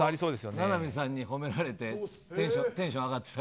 名波さんに褒められてテンション上がってた。